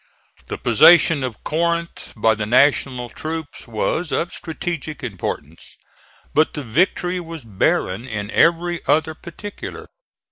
The possession of Corinth by the National troops was of strategic importance, but the victory was barren in every other particular.